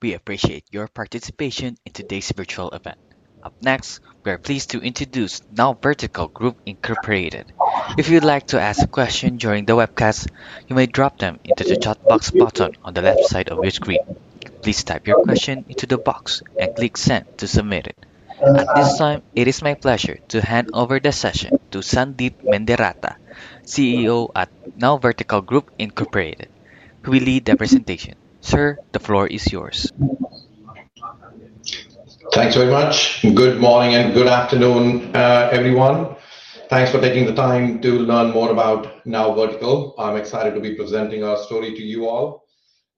Sure, we appreciate your participation in today's virtual event. Up next, we are pleased to introduce NowVertical Group Inc. If you'd like to ask a question during the webcast, you may drop them into the chat box button on the left side of your screen. Please type your question into the box and click "Send" to submit it. At this time, it is my pleasure to hand over the session to Sandeep Mendiratta, CEO at NowVertical Group Inc., who will lead the presentation. Sir, the floor is yours. Thanks very much. Good morning and good afternoon, everyone. Thanks for taking the time to learn more about NowVertical. I'm excited to be presenting our story to you all.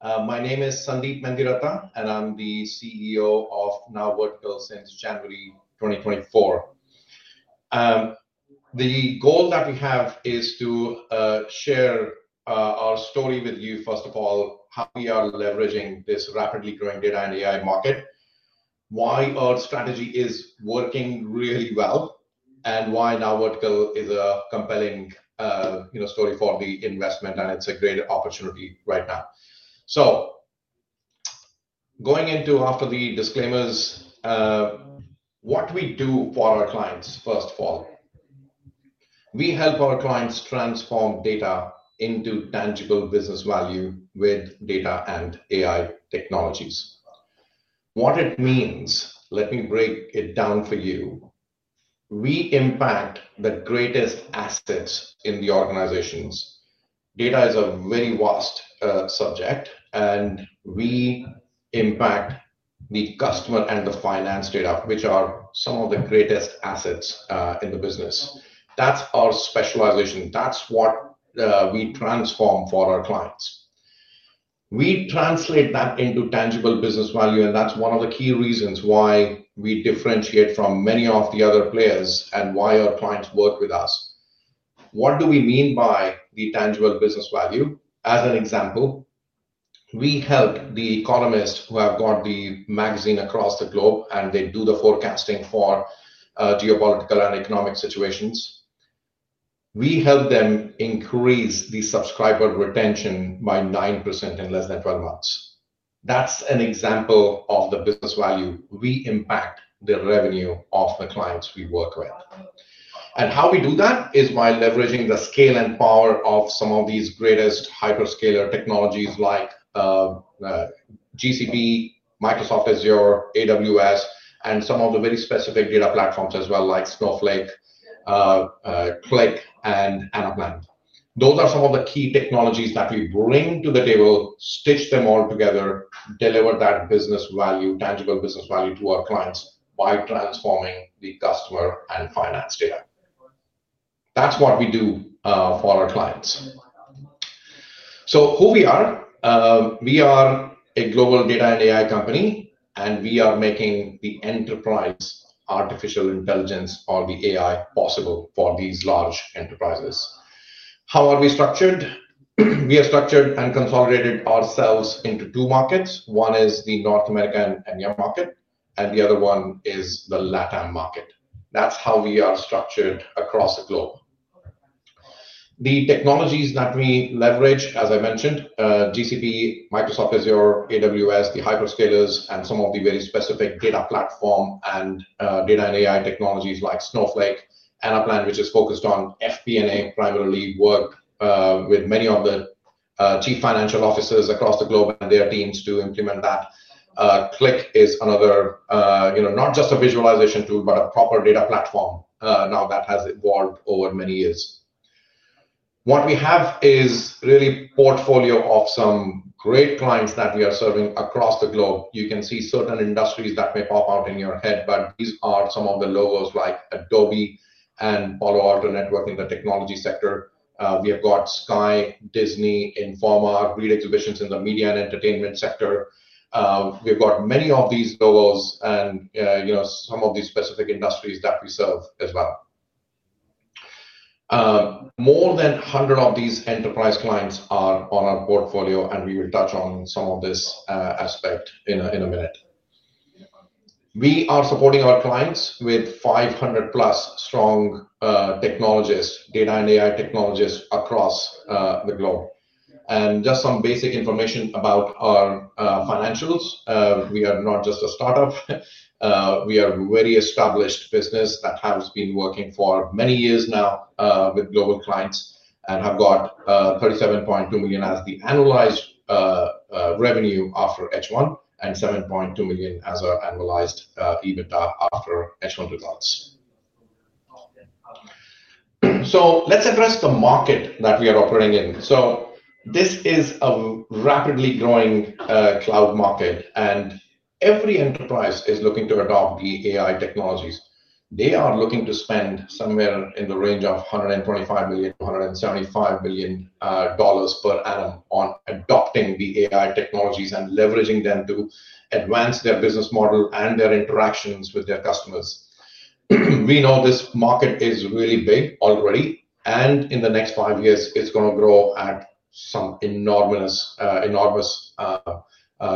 My name is Sandeep Mendiratta, and I'm the CEO of NowVertical since January 2024. The goal that we have is to share our story with you, first of all, how we are leveraging this rapidly growing data and AI market, why our strategy is working really well, and why NowVertical is a compelling story for the investment, and it's a great opportunity right now. Going into after the disclaimers, what we do for our clients, first of all, we help our clients transform data into tangible business value with data and AI technologies. What it means, let me break it down for you. We impact the greatest assets in the organizations. Data is a very vast subject, and we impact the customer and the finance data, which are some of the greatest assets in the business. That's our specialization. That's what we transform for our clients. We translate that into tangible business value, and that's one of the key reasons why we differentiate from many of the other players and why our clients work with us. What do we mean by the tangible business value? As an example, we help The Economist, who have got the magazine across the globe, and they do the forecasting for geopolitical and economic situations. We help them increase the subscriber retention by 9% in less than 12 months. That's an example of the business value. We impact the revenue of the clients we work with. How we do that is by leveraging the scale and power of some of these greatest hyperscaler technologies like Google Cloud, Microsoft Azure, Amazon Web Services, and some of the very specific data platforms as well, like Snowflake, Qlik, and Anaplan. Those are some of the key technologies that we bring to the table, stitch them all together, deliver that business value, tangible business value to our clients by transforming the customer and finance data. That's what we do for our clients. Who we are, we are a global data and AI company, and we are making the enterprise AI possible for these large enterprises. How are we structured? We are structured and consolidated ourselves into two markets. One is the North American MEP market, and the other one is the Latin market. That's how we are structured across the globe. The technologies that we leverage, as I mentioned, Google Cloud, Microsoft Azure, Amazon Web Services, the hyperscalers, and some of the very specific data platform and data and AI technologies like Snowflake, Anaplan, which is focused on FP&A, primarily work with many of the Chief Financial Officers across the globe and their teams to implement that. Qlik is another, you know, not just a visualization tool, but a proper data platform now that has evolved over many years. What we have is a real portfolio of some great clients that we are serving across the globe. You can see certain industries that may pop out in your head, but these are some of the logos like Adobe and Palo Alto Networks in the technology sector. We have got Sky, Disney, Informer, Reed Exhibitions in the media and entertainment sector. We've got many of these logos and, you know, some of these specific industries that we serve as well. More than 100 of these enterprise clients are on our portfolio, and we will touch on some of this aspect in a minute. We are supporting our clients with 500 plus strong technologists, data and AI technologists across the globe. Just some basic information about our financials, we are not just a startup. We are a very established business that has been working for many years now with global clients and have got $37.2 million as the annualized revenue after H1 and $7.2 million as our annualized EBITDA after H1 results. Let's address the market that we are operating in. This is a rapidly growing cloud market, and every enterprise is looking to adopt the AI technologies. They are looking to spend somewhere in the range of $125 million to $175 million per annum on adopting the AI technologies and leveraging them to advance their business model and their interactions with their customers. We know this market is really big already, and in the next five years, it's going to grow at some enormous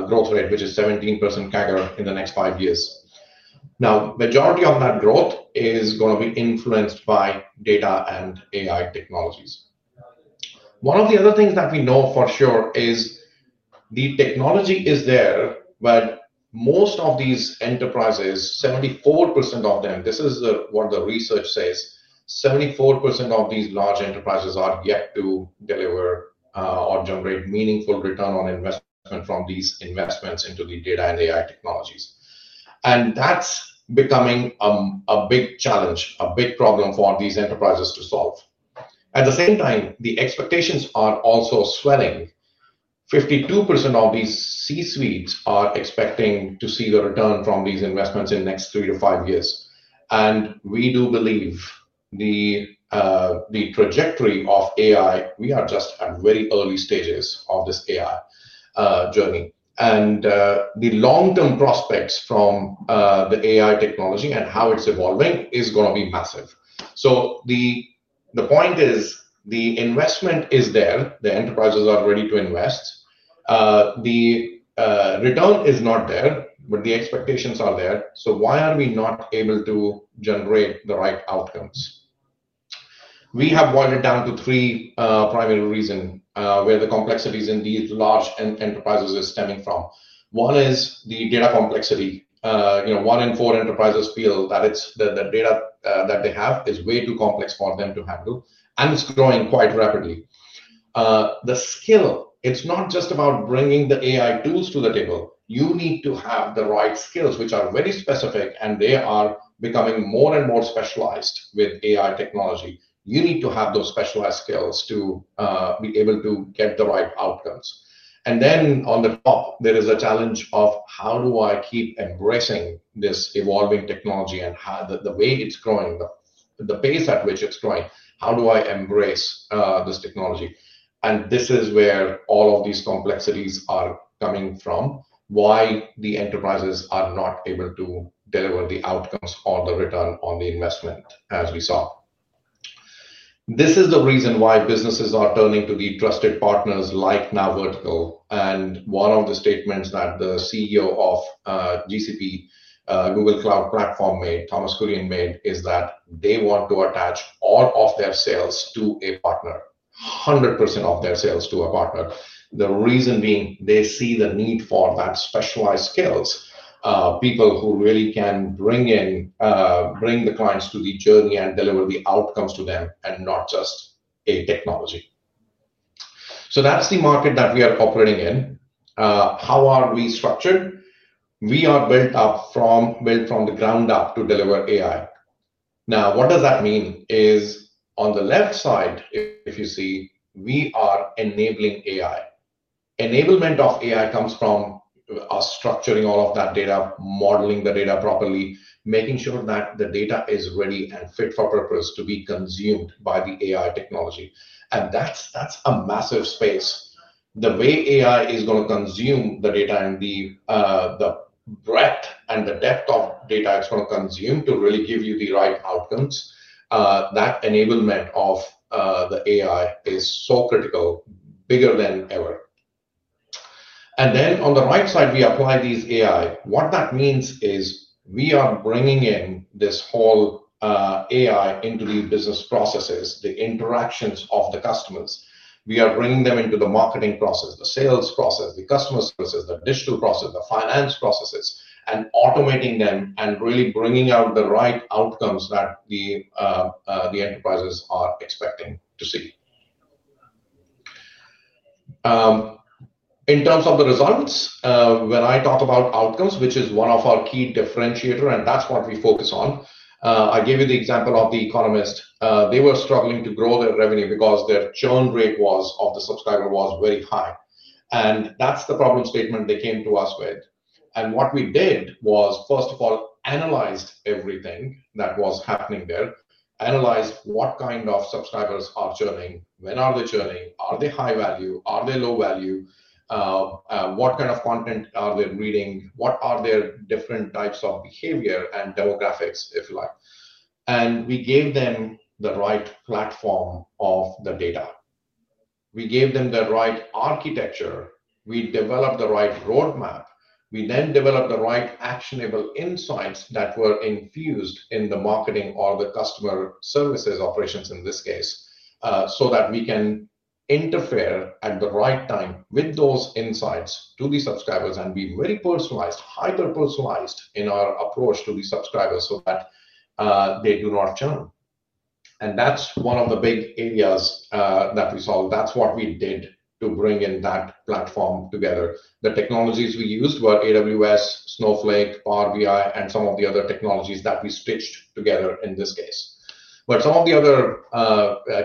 growth rate, which is 17% CAGR in the next five years. The majority of that growth is going to be influenced by data and AI technologies. One of the other things that we know for sure is the technology is there, but most of these enterprises, 74% of them, this is what the research says, 74% of these large enterprises are yet to deliver or generate meaningful ROI from these investments into the data and AI technologies. That's becoming a big challenge, a big problem for these enterprises to solve. At the same time, the expectations are also swelling. 52% of these C-suites are expecting to see the return from these investments in the next three to five years. We do believe the trajectory of AI, we are just at very early stages of this AI journey. The long-term prospects from the AI technology and how it's evolving are going to be massive. The point is the investment is there, the enterprises are ready to invest, the return is not there, but the expectations are there. Why are we not able to generate the right outcomes? We have boiled it down to three primary reasons where the complexities in these large enterprises are stemming from. One is the data complexity. One in four enterprises feel that the data that they have is way too complex for them to handle, and it's growing quite rapidly. The skill, it's not just about bringing the AI tools to the table. You need to have the right skills, which are very specific, and they are becoming more and more specialized with AI technology. You need to have those specialized skills to be able to get the right outcomes. On the top, there is a challenge of how do I keep embracing this evolving technology and the way it's growing, the pace at which it's growing, how do I embrace this technology? This is where all of these complexities are coming from, why the enterprises are not able to deliver the outcomes or the ROI, as we saw. This is the reason why businesses are turning to the trusted partners like NowVertical Group Inc. One of the statements that the CEO of Google Cloud, Thomas Kurian, made is that they want to attach all of their sales to a partner, 100% of their sales to a partner. The reason being they see the need for that specialized skills, people who really can bring in, bring the clients to the journey and deliver the outcomes to them and not just a technology. That's the market that we are operating in. How are we structured? We are built up from the ground up to deliver AI. What does that mean? On the left side, if you see, we are enabling AI. Enablement of AI comes from us structuring all of that data, modeling the data properly, making sure that the data is ready and fit for purpose to be consumed by the AI technology. That's a massive space. The way AI is going to consume the data and the breadth and the depth of data it's going to consume to really give you the right outcomes, that enablement of the AI is so critical, bigger than ever. On the right side, we apply these AI. What that means is we are bringing in this whole AI into the business processes, the interactions of the customers. We are bringing them into the marketing process, the sales process, the customer process, the digital process, the finance processes, and automating them and really bringing out the right outcomes that the enterprises are expecting to see. In terms of the results, when I talk about outcomes, which is one of our key differentiators, and that's what we focus on, I gave you the example of the economists. They were struggling to grow their revenue because their churn rate of the subscriber was very high. That's the problem statement they came to us with. What we did was, first of all, analyze everything that was happening there, analyze what kind of subscribers are churning, when are they churning, are they high value, are they low value, what kind of content are they reading, what are their different types of behavior and demographics, if you like. We gave them the right platform of the data. We gave them the right architecture. We developed the right roadmap. We then developed the right actionable insights that were infused in the marketing or the customer services operations in this case, so that we can interfere at the right time with those insights to the subscribers and be very personalized, hyper-personalized in our approach to the subscribers so that they do not churn. That's one of the big areas that we saw. That's what we did to bring in that platform together. The technologies we used were Amazon Web Services, Snowflake, Power BI, and some of the other technologies that we stitched together in this case. Some of the other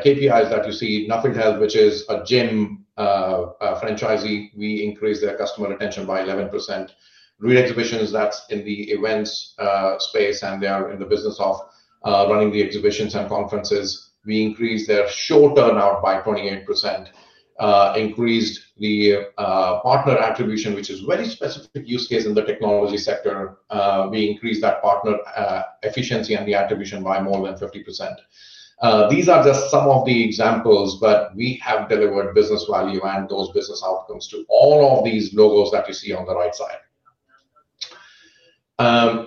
KPIs that you see, NothingTail, which is a gym franchisee, we increased their customer retention by 11%. Reed Exhibitions, that's in the events space, and they are in the business of running the exhibitions and conferences. We increased their show turnout by 28%. Increased the partner attribution, which is a very specific use case in the technology sector. We increased that partner efficiency and the attribution by more than 50%. These are just some of the examples, but we have delivered business value and those business outcomes to all of these logos that you see on the right side.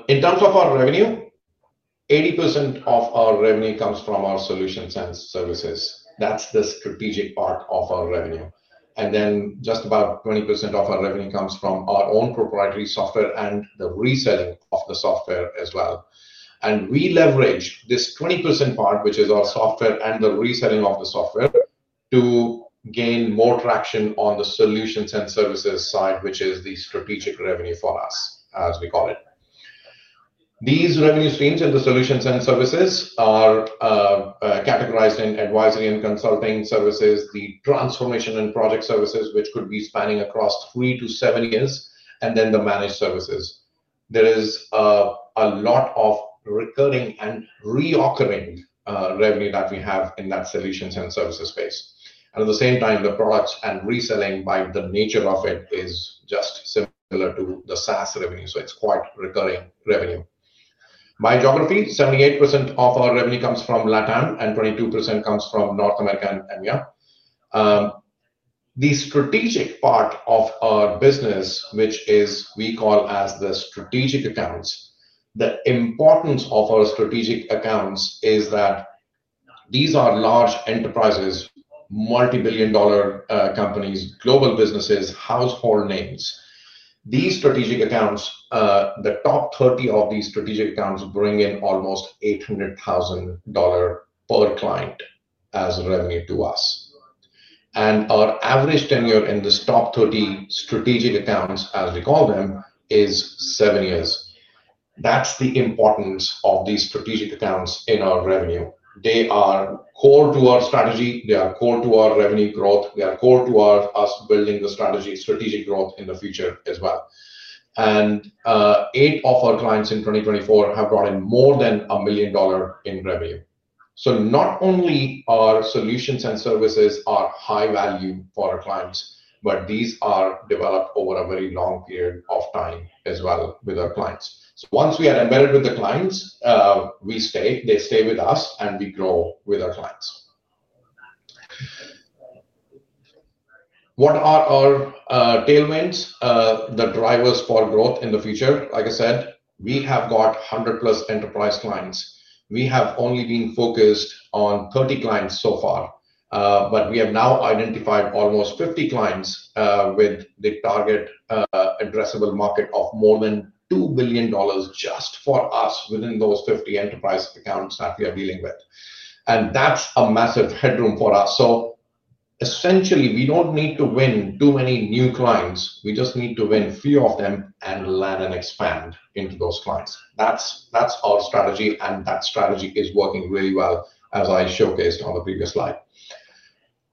In terms of our revenue, 80% of our revenue comes from our solutions and services. That's the strategic part of our revenue. Just about 20% of our revenue comes from our own proprietary software and the reselling of the software as well. We leverage this 20% part, which is our software and the reselling of the software, to gain more traction on the solutions and services side, which is the strategic revenue for us, as we call it. These revenue streams and the solutions and services are categorized in advisory and consulting services, the transformation and product services, which could be spanning across three to seven years, and then the managed services. There is a lot of recurring and reoccurring revenue that we have in that solutions and services space. At the same time, the products and reselling, by the nature of it, is just similar to the SaaS revenue. It's quite recurring revenue. By geography, 78% of our revenue comes from LatAm, and 22% comes from North American MEM. The strategic part of our business, which is we call as the strategic accounts, the importance of our strategic accounts is that these are large enterprises, multi-billion dollar companies, global businesses, household names. These strategic accounts, the top 30 of these strategic accounts bring in almost $800,000 per client as revenue to us. Our average tenure in this top 30 strategic accounts, as we call them, is seven years. That's the importance of these strategic accounts in our revenue. They are core to our strategy. They are core to our revenue growth. They are core to us building the strategic growth in the future as well. Eight of our clients in 2024 have brought in more than $1 million in revenue. Not only are solutions and services high value for our clients, but these are developed over a very long period of time as well with our clients. Once we are embedded with the clients, we stay, they stay with us, and we grow with our clients. What are our tailwinds, the drivers for growth in the future? Like I said, we have got 100 plus enterprise clients. We have only been focused on 30 clients so far, but we have now identified almost 50 clients with the target addressable market of more than $2 billion just for us within those 50 enterprise accounts that we are dealing with. That's a massive headroom for us. Essentially, we don't need to win too many new clients. We just need to win a few of them and land and expand into those clients. That's our strategy, and that strategy is working really well, as I showcased on the previous slide.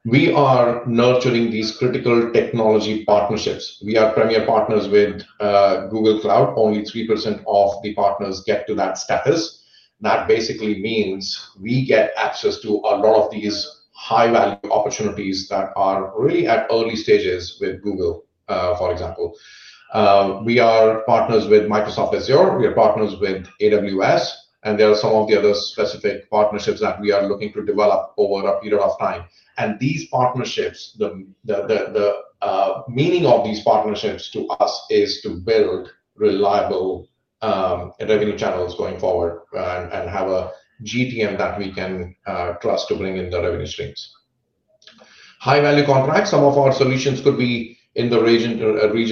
We are nurturing these critical technology partnerships. We are premier partners with Google Cloud. Only 3% of the partners get to that status. That basically means we get access to a lot of these high-value opportunities that are really at early stages with Google, for example. We are partners with Microsoft Azure. We are partners with Amazon Web Services, and there are some of the other specific partnerships that we are looking to develop over a period of time. These partnerships, the meaning of these partnerships to us is to build reliable revenue channels going forward and have a GTM that we can trust to bring in the revenue streams. High-value contracts, some of our solutions could be in the region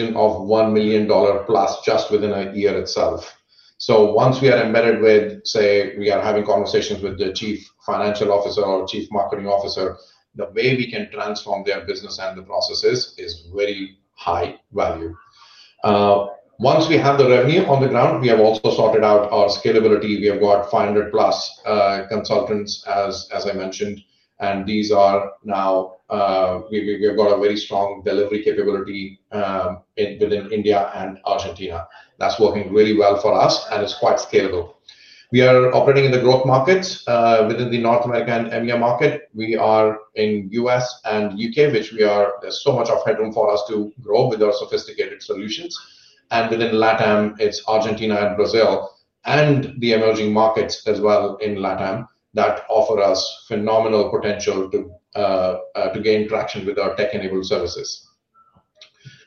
of $1 million plus just within a year itself. Once we are embedded with, say, we are having conversations with the Chief Financial Officer or Chief Marketing Officer, the way we can transform their business and the processes is very high value. Once we have the revenue on the ground, we have also sorted out our scalability. We have got 500 plus consultants, as I mentioned, and these are now, we have got a very strong delivery capability within India and South Asia. That's working really well for us, and it's quite scalable. We are operating in the growth markets within the North American MEA market. We are in the U.S. and U.K., which we are, there's so much of headroom for us to grow with our sophisticated solutions. Within Latin America, it's Argentina and Brazil and the emerging markets as well in Latin America that offer us phenomenal potential to gain traction with our tech-enabled services.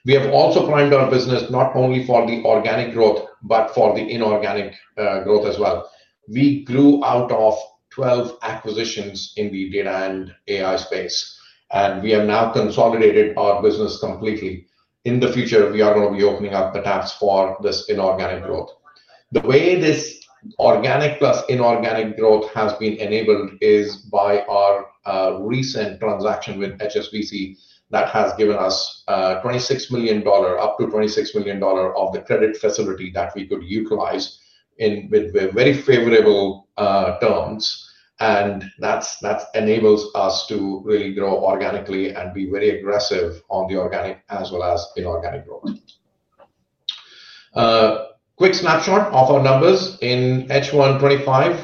We have also primed our business not only for the organic growth, but for the inorganic growth as well. We grew out of 12 acquisitions in the data and AI space, and we have now consolidated our business completely. In the future, we are going to be opening up the taps for this inorganic growth. The way this organic plus inorganic growth has been enabled is by our recent transaction with HSBC that has given us $26 million, up to $26 million of the credit facility that we could utilize in very favorable terms. That enables us to really grow organically and be very aggressive on the organic as well as inorganic growth. Quick snapshot of our numbers in H1 2025.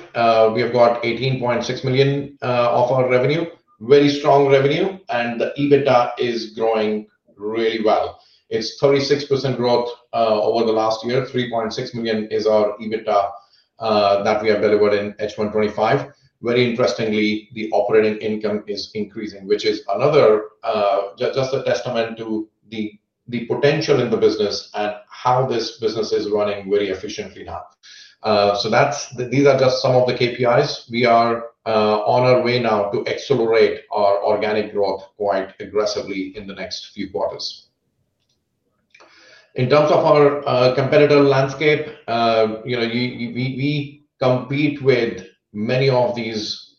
We have got $18.6 million of our revenue, very strong revenue, and the EBITDA is growing really well. It's 36% growth over the last year. $3.6 million is our EBITDA that we have delivered in H1 2025. Very interestingly, the operating income is increasing, which is another just a testament to the potential in the business and how this business is running very efficiently now. These are just some of the KPIs. We are on our way now to accelerate our organic growth quite aggressively in the next few quarters. In terms of our competitor landscape, you know, we compete with many of these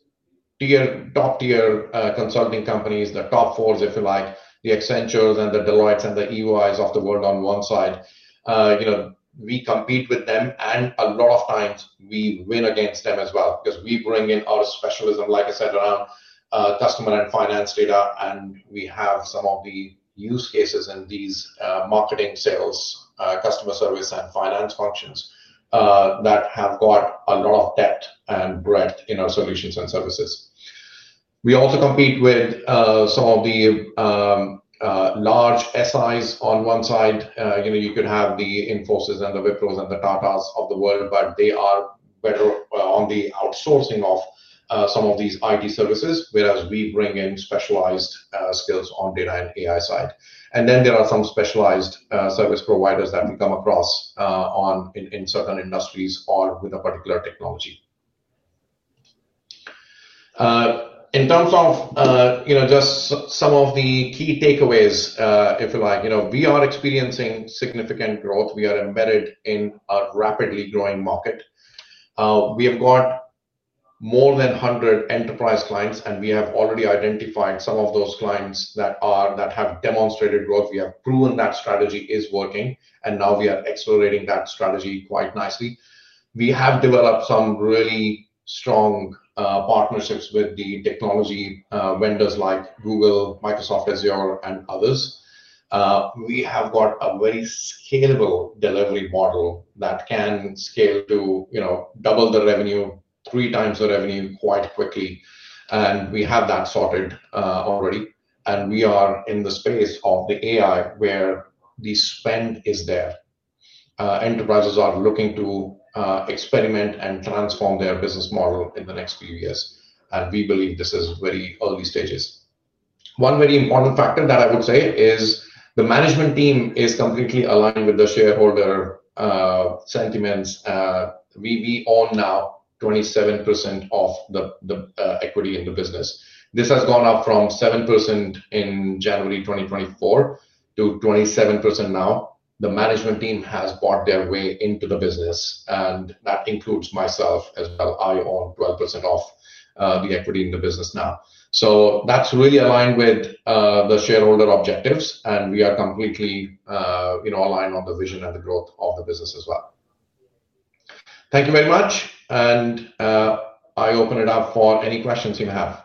top-tier consulting companies, the top four, if you like, the Accentures and the Deloittes and the EYs of the world on one side. You know, we compete with them, and a lot of times we win against them as well because we bring in our specialism, like I said, around customer and finance data, and we have some of the use cases in these marketing, sales, customer service, and finance functions that have got a lot of depth and breadth in our solutions and services. We also compete with some of the large SIs on one side. You know, you could have the Infosys and the Wipros and the Tatas of the world, but they are better on the outsourcing of some of these IT services, whereas we bring in specialized skills on the data and AI side. There are some specialized service providers that we come across in certain industries or with a particular technology. In terms of just some of the key takeaways, if you like, you know, we are experiencing significant growth. We are embedded in a rapidly growing market. We have got more than 100 enterprise clients, and we have already identified some of those clients that have demonstrated growth. We have proven that strategy is working, and now we are accelerating that strategy quite nicely. We have developed some really strong partnerships with the technology vendors like Google Cloud, Microsoft Azure, and others. We have got a very scalable delivery model that can scale to, you know, double the revenue, three times the revenue quite quickly. We have that sorted already. We are in the space of the AI where the spend is there. Enterprises are looking to experiment and transform their business model in the next few years. We believe this is very early stages. One very important factor that I would say is the management team is completely aligned with the shareholder sentiments. We own now 27% of the equity in the business. This has gone up from 7% in January 2024 to 27% now. The management team has bought their way into the business, and that includes myself as well. I own 12% of the equity in the business now. That's really aligned with the shareholder objectives, and we are completely aligned on the vision and the growth of the business as well. Thank you very much, and I open it up for any questions you have.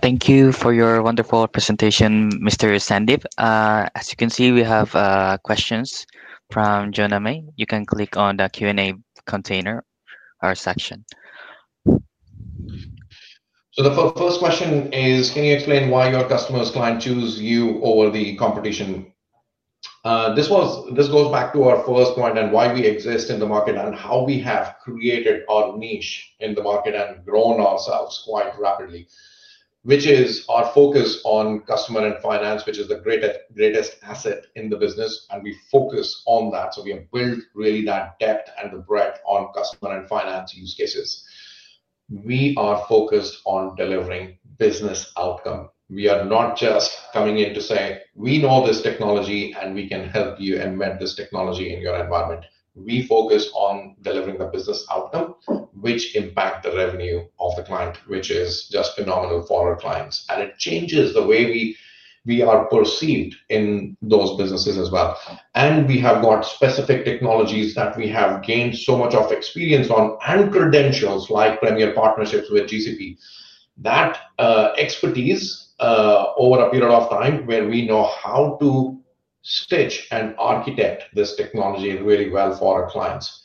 Thank you for your wonderful presentation, Mr. Sandeep Mendiratta. As you can see, we have questions from Gianname. You can click on the Q&A container or section. The first question is, can you explain why your customers can't choose you over the competition? This goes back to our first point and why we exist in the market and how we have created our niche in the market and grown ourselves quite rapidly, which is our focus on customer and finance, which is the greatest asset in the business. We focus on that. We have built really that depth and the breadth on customer and finance use cases. We are focused on delivering business outcome. We are not just coming in to say, we know this technology and we can help you embed this technology in your environment. We focus on delivering the business outcome, which impacts the revenue of the client, which is just phenomenal for our clients. It changes the way we are perceived in those businesses as well. We have got specific technologies that we have gained so much experience on and credentials like premier partnerships with Google Cloud. That expertise over a period of time where we know how to stitch and architect this technology really well for our clients.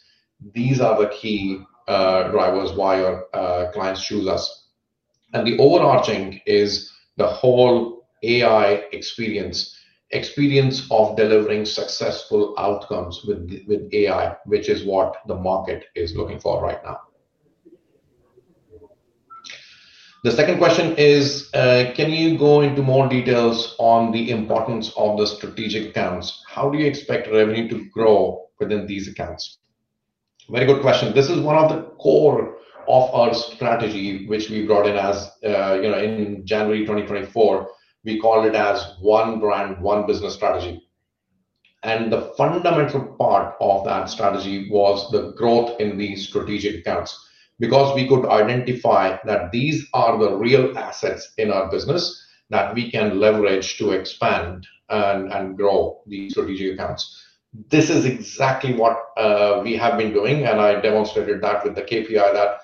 These are the key drivers why our clients choose us. The overarching is the whole AI experience, experience of delivering successful outcomes with AI, which is what the market is looking for right now. The second question is, can you go into more details on the importance of the strategic accounts? How do you expect revenue to grow within these accounts? Very good question. This is one of the core of our strategy, which we brought in as, you know, in January 2024. We called it as one brand, one business strategy. The fundamental part of that strategy was the growth in these strategic accounts because we could identify that these are the real assets in our business that we can leverage to expand and grow these strategic accounts. This is exactly what we have been doing, and I demonstrated that with the KPI that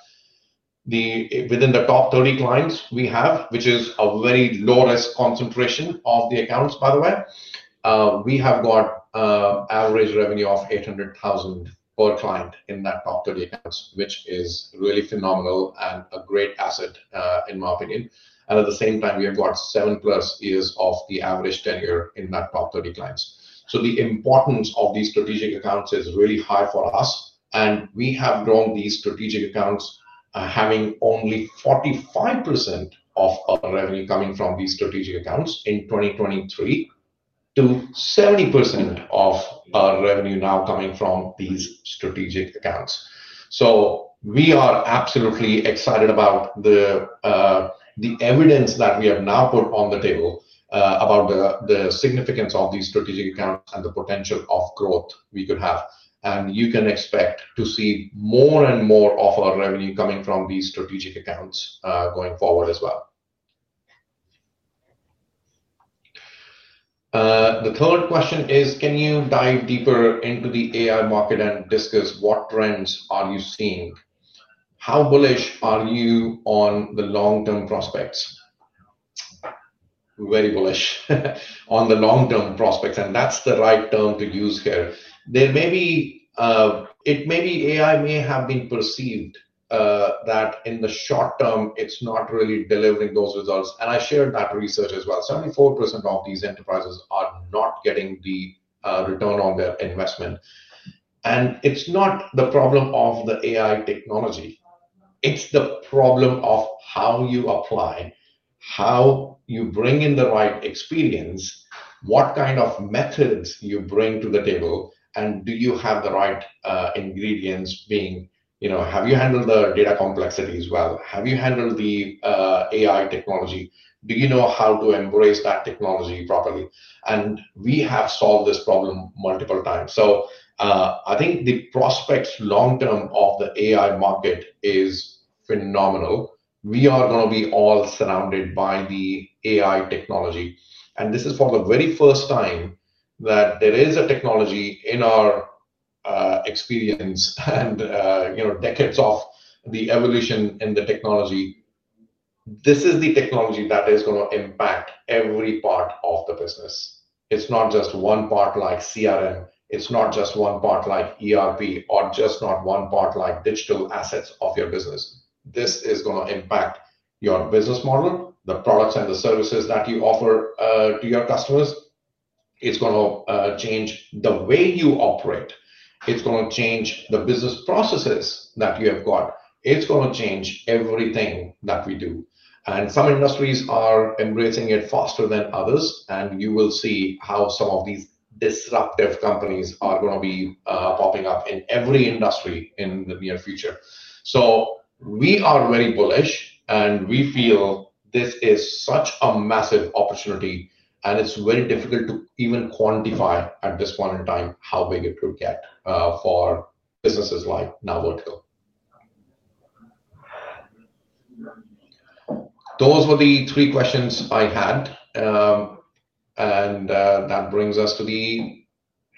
within the top 30 clients we have, which is a very low-risk concentration of the accounts, by the way, we have got an average revenue of $800,000 per client in that top 30 accounts, which is really phenomenal and a great asset, in my opinion. At the same time, we have got seven plus years of the average tenure in that top 30 clients. The importance of these strategic accounts is really high for us. We have grown these strategic accounts, having only 45% of our revenue coming from these strategic accounts in 2023 to 70% of our revenue now coming from these strategic accounts. We are absolutely excited about the evidence that we have now put on the table about the significance of these strategic accounts and the potential of growth we could have. You can expect to see more and more of our revenue coming from these strategic accounts going forward as well. The third question is, can you dive deeper into the AI market and discuss what trends are you seeing? How bullish are you on the long-term prospects? Very bullish on the long-term prospects, and that's the right term to use here. It may be AI may have been perceived that in the short term, it's not really delivering those results. I shared that research as well. 74% of these enterprises are not getting the ROI. It's not the problem of the AI technology. It's the problem of how you apply, how you bring in the right experience, what kind of methods you bring to the table, and do you have the right ingredients being, you know, have you handled the data complexities well? Have you handled the AI technology? Do you know how to embrace that technology properly? We have solved this problem multiple times. I think the prospects long-term of the AI market is phenomenal. We are going to be all surrounded by the AI technology. This is for the very first time that there is a technology in our experience and, you know, decades of the evolution in the technology. This is the technology that is going to impact every part of the business. It's not just one part like CRM. It's not just one part like ERP or just not one part like digital assets of your business. This is going to impact your business model, the products, and the services that you offer to your customers. It's going to change the way you operate. It's going to change the business processes that you have got. It's going to change everything that we do. Some industries are embracing it faster than others. You will see how some of these disruptive companies are going to be popping up in every industry in the near future. We are very bullish, and we feel this is such a massive opportunity, and it's very difficult to even quantify at this point in time how big it could get for businesses like NowVertical Group Inc. Those were the three questions I had. That brings us to the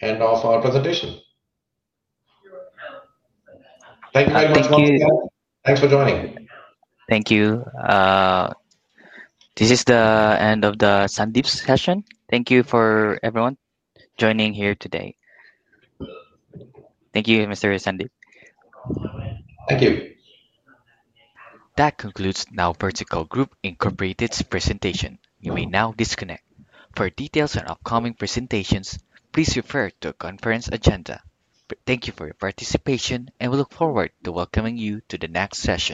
end of our presentation. Thank you very much. Thank you. Thanks for joining. Thank you. This is the end of the Sandeep Mendiratta session. Thank you for everyone joining here today. Thank you, Mr. Sandeep. Thank you. That concludes NowVertical Group Inc.'s presentation. You may now disconnect. For details on upcoming presentations, please refer to the conference agenda. Thank you for your participation, and we look forward to welcoming you to the next session.